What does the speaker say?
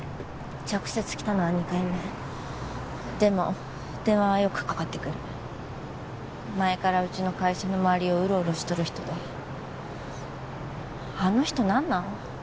直接来たのは２回目でも電話はよくかかってくる前からうちの会社の周りをウロウロしとる人であの人何なん？